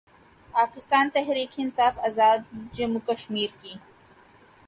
اکستان تحریک انصاف آزادجموں وکشمیر کی